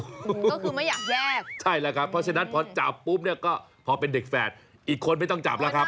ก็คือไม่อยากแยกใช่แล้วครับเพราะฉะนั้นพอจับปุ๊บเนี่ยก็พอเป็นเด็กแฝดอีกคนไม่ต้องจับแล้วครับ